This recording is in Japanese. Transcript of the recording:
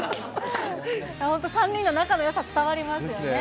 ３人の仲のよさ、伝わりますよね。